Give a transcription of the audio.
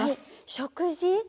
食事。